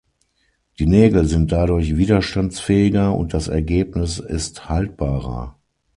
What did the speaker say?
Die Nägel sind dadurch widerstandsfähiger und das Ergebnis ist haltbarer.